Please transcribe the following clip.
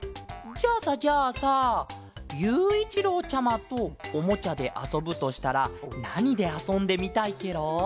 じゃあさじゃあさゆういちろうちゃまとおもちゃであそぶとしたらなにであそんでみたいケロ？